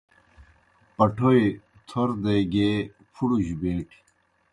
پَٹَھوئی تھور دے گیے پُھڑُوْ جیْ بیٹیْ۔